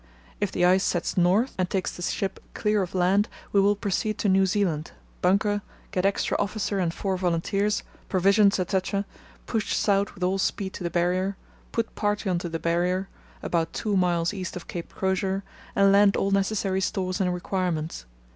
If the ice sets north and takes the ship clear of land, we will proceed to New Zealand, bunker, get extra officer and four volunteers, provisions, etc., push south with all speed to the Barrier, put party on to the Barrier, about two miles east of Cape Crozier, and land all necessary stores and requirements.